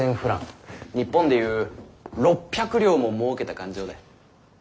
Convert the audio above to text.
日本でいう６００両ももうけた勘定だ。